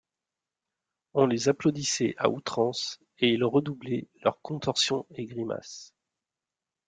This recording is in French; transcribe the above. On les applaudissait à outrance, et ils redoublaient leurs contorsions et grimaces.